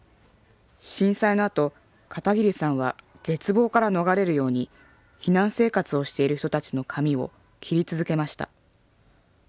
震災のあと片桐さんは絶望から逃れるように避難生活をしている人たちの髪を切り続けました。